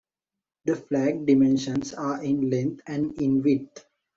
The flag dimensions are in length and in width.